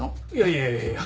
いやいやいや。